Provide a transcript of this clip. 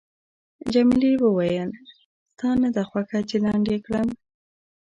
جميلې وويل:، ستا نه ده خوښه چې لنډ یې کړم؟